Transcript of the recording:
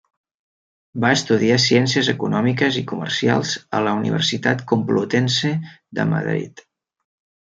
Va estudiar ciències econòmiques i comercials a la Universitat Complutense de Madrid.